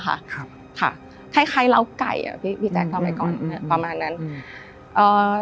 ค่ะคล้ายคล้ายเลาะไก่อ่ะพี่พี่แจ๊คเอาไปก่อนอืมประมาณนั้นอ่า